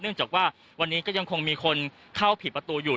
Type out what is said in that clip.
จากว่าวันนี้ก็ยังคงมีคนเข้าผิดประตูอยู่